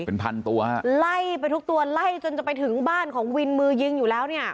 เป็นพันตัวฮะไล่ไปทุกตัวไล่จนจะไปถึงบ้านของวินมือยิงอยู่แล้วเนี่ย